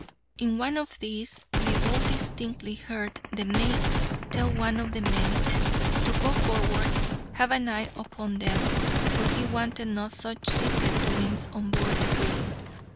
In one of these, we all distinctly heard the mate tell one of the men to "go forward, have an eye upon them, for he wanted no such secret doings on board the brig."